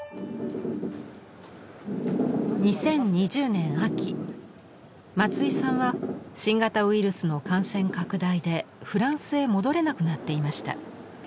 ２０２０年秋松井さんは新型ウイルスの感染拡大でフランスへ戻れなくなっていました。